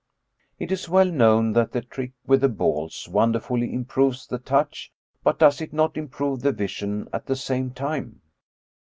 It is well known that the trick with the balls wonder fully improves the touch, but does it not improve the vision at the same time?